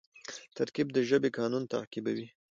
ترکیب د ژبي قانون تعقیبوي.